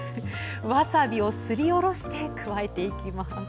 わさびをすりおろして加えていきます。